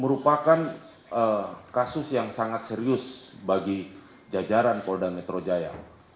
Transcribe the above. merupakan kasus yang sangat serius bagi jajaran polda metro jaya